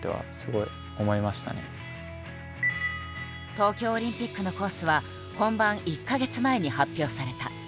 東京オリンピックのコースは本番１か月前に発表された。